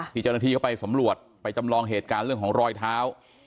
ที่เจ้าหน้าที่เข้าไปสำรวจไปจำลองเหตุการณ์เรื่องของรอยเท้า